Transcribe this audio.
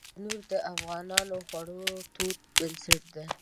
تنور د افغانو خوړو تود بنسټ دی